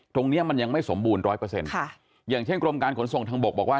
ตรงนี้มันยังไม่สมบูรณร้อยเปอร์เซ็นต์อย่างเช่นกรมการขนส่งทางบกบอกว่า